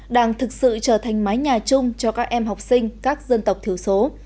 đang thực sự trở thành mái nhà chung cho các em học sinh các dân tộc thiểu số